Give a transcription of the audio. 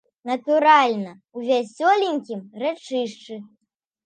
Натуральна, у вясёленькім рэчышчы.